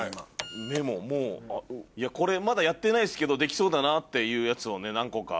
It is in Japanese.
これまだやってないですけどできそうだなっていうやつを何個か。